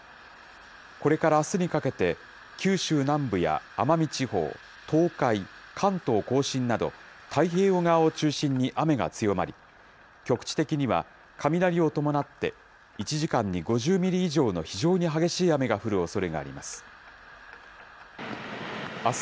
これからあすにかけて、九州南部や奄美地方、東海、関東甲信など、太平洋側を中心に雨が強まり、局地的には雷を伴って、１時間に５０ミリ以上の非常に激しい雨が降るおそれがあります。